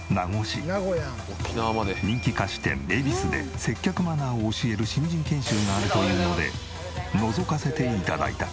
人気菓子店ＥＢＩＳＵで接客マナーを教える新人研修があるというのでのぞかせて頂いた。